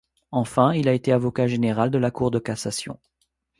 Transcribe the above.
Enfin, il a été avocat général de la cour de cassation.